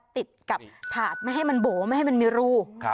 ติดกับถาดไม่ให้มันโบ๋ไม่ให้มันมีรู